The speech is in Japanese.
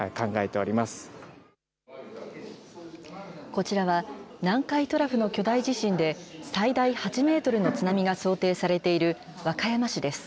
こちらは南海トラフの巨大地震で、最大８メートルの津波が想定されている和歌山市です。